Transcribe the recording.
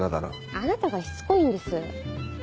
あなたがしつこいんです。